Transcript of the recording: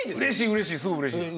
うれしいすごいうれしい。